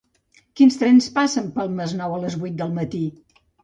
Quins trens passen pel Masnou a les vuit del matí?